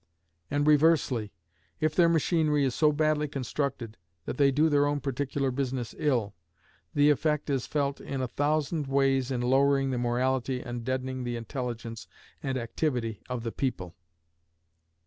And reversely, if their machinery is so badly constructed that they do their own particular business ill, the effect is felt in a thousand ways in lowering the morality and deadening the intelligence and activity of the people.